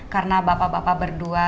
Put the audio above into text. karena bapak bapak berdua